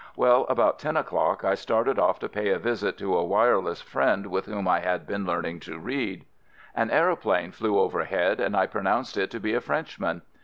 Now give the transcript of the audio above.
Well, about ten o'clock I started off to pay a visit to a "wireless" friend with whom I had been learning to read. An aeroplane flew overhead and I pronounced it to be a Frenchman.